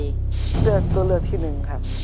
เลือกตัวเลือกที่หนึ่งครับ